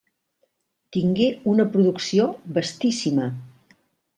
Tingué una producció vastíssima.